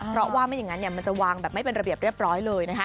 เพราะว่าไม่อย่างนั้นมันจะวางแบบไม่เป็นระเบียบเรียบร้อยเลยนะคะ